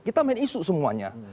kita main isu semuanya